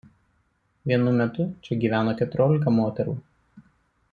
Vienu metu čia gyveno keturiolika moterų.